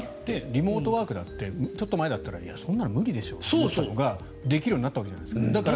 リモートワークだってちょっと前だったらそんなの無理でしょと思っていたのができるようになったじゃないですか。